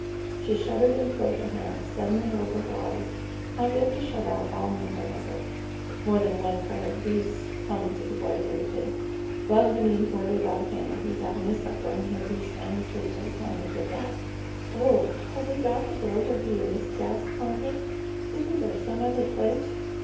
She shuddered and put her hands suddenly over her eyes as if to shut out all memory of it. "More than one kind of beasts!" commented the Boy, briefly. "Well, you needn't worry about him; he's having his supper and he'll be sound asleep by the time we get back." "Oh, have we got to go where he is?" gasped Margaret. "Isn't there some other place?